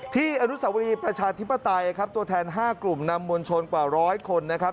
อนุสาวรีประชาธิปไตยครับตัวแทน๕กลุ่มนำมวลชนกว่าร้อยคนนะครับ